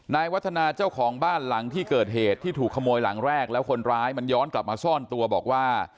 วัฒนาเจ้าของบ้านหลังที่เกิดเหตุที่ถูกขโมยหลังแรกแล้วคนร้ายมันย้อนกลับมาซ่อนตัวบอกว่า